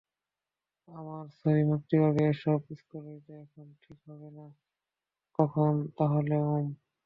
আমার ছবি মুক্তি পাবে এসব কেলেঙ্কারি এখন ঠিক হবে না কখন তাহলে, ওম?